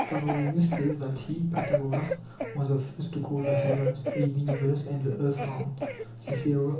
Favorinus says that he (Pythagoras) was the first to call the heavens a universe and the earth round [otpoyytrn7}.